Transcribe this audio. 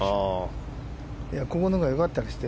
ここのほうがよかったりして。